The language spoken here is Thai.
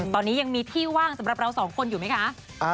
ตอนนี้ยังมีที่ว่างสำหรับเราสองคนอยู่ไหมคะ